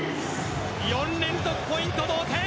４連続ポイント、同点。